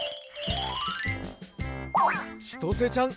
ちとせちゃん